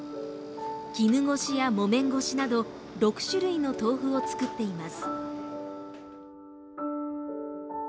絹ごしや木綿ごしなど６種類の豆腐を作っています。